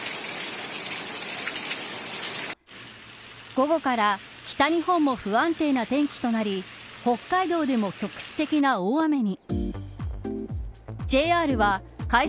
午後から北日本も不安定な天気となり北海道でも局地的な大雨に。